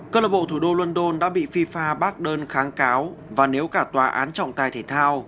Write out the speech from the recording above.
cơ lộc bộ thủ đô london đã bị fifa bác đơn kháng cáo và nếu cả tòa án trọng tài thể thao